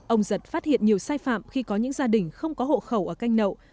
ông giật phát hiện nhiều sai phạm khi có những gia đình không có hộ khẩu ở canh nậu